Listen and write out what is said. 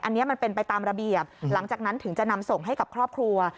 อันนี้มันเป็นไปตามระเบียบหลังจากนั้นถึงจะนำส่งให้กับครอบครัว